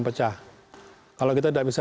pecah kalau kita tidak bisa